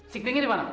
siklingnya di mana